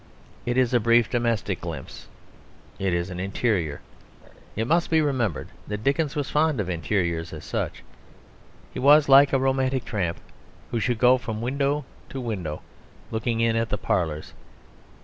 It is a brief domestic glimpse; it is an interior. It must be remembered that Dickens was fond of interiors as such; he was like a romantic tramp who should go from window to window looking in at the parlours.